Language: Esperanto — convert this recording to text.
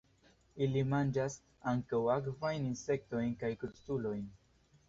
Ili manĝas ankaŭ akvajn insektojn kaj krustulojn.